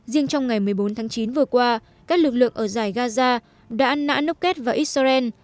riêng trong ngày một mươi bốn tháng chín vừa qua các lực lượng ở giải gaza đã nãp kết vào israel